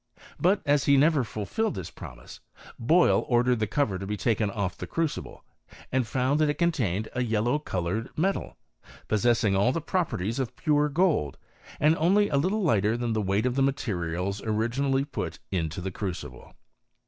But, as he never fulfilled thi^ promise, Boyle ordered the cover to be taken off tht crucible, and found that it contained a yellow coloure| metal, possessing all the properties of pure gold, and only a little lighter than the weight of the materiali originally put into the crucible.